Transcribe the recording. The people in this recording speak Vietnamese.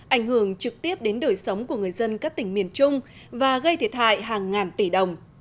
ảnh hưởng trực tiếp đến đời sống của người dân các tỉnh miền trung và gây thiệt hại hàng ngàn tỷ đồng